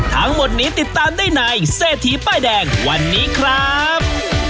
ทั้งหมดนี้ติดตามได้ในเศรษฐีป้ายแดงวันนี้ครับ